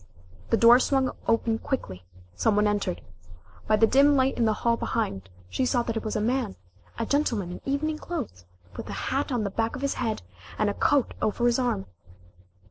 The door swung open quickly some one entered. By the dim light in the hall behind, she saw that it was a man a gentleman in evening clothes, with a hat on the back of his head, and a coat over his arm.